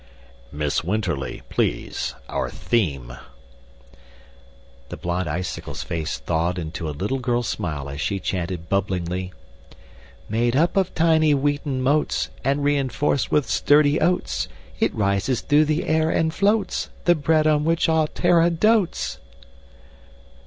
"Miss Winterly, please our theme." The Blonde Icicle's face thawed into a little girl smile as she chanted bubblingly: "_Made up of tiny wheaten motes And reinforced with sturdy oats, It rises through the air and floats The bread on which all Terra dotes!